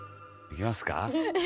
いきますか？